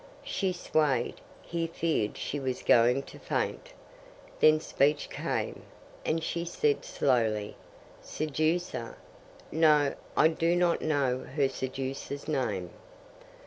She swayed; he feared she was going to faint. Then speech came, and she said slowly: "Seducer? No; I do not know her seducer's name."